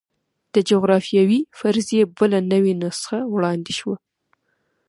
د جغرافیوي فرضیې بله نوې نسخه وړاندې شوه.